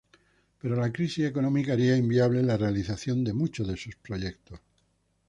Pero la crisis económica haría inviable la realización de muchos de sus proyectos.